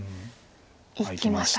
いきました。